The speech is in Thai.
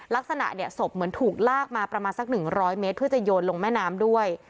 ลักษณะเนี่ยศพเหมือนถูกลากมาประมาณสัก๑๐๐เมตรเพื่อจะโยนลงแม่น้ำด้วย